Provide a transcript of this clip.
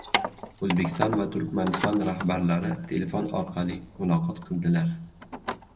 O‘zbekiston va Turkmaniston rahbarlari telefon orqali muloqot qildilar